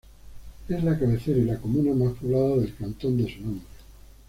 Es la cabecera y la comuna más poblada del cantón de su nombre.